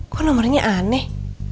kok nomernya aneh